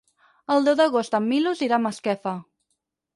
El deu d'agost en Milos irà a Masquefa.